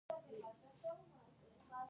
ووځه.